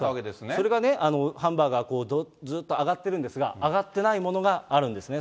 それがね、ハンバーガーずっと上がってるんですが、上がってないものがあるんですね。